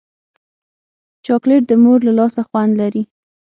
چاکلېټ د مور له لاسه خوند لري.